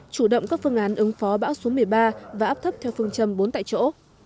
chủ động các phương án ứng phó bão số một mươi ba và áp thấp theo phương châm bốn tại chỗ